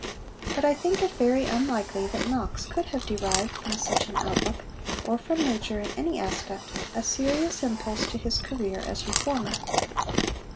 But I think it very unlikely that Knox could have derived from such an outlook, or from Major in any aspect, a serious impulse to his career as Reformer.